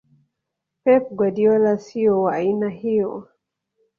Pep Guardiola sio wa aina hiyo